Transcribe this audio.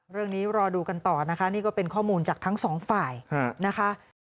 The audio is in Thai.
รอดูกันต่อนะคะนี่ก็เป็นข้อมูลจากทั้งสองฝ่ายนะคะ